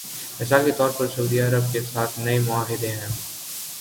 مثال کے طور پر سعودی عرب کے ساتھ نئے معاہدے ہیں۔